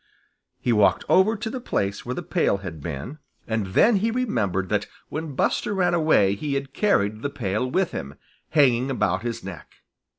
He walked over to the place where the pail had been, and then he remembered that when Buster ran away he had carried the pail with him, hanging about his neck.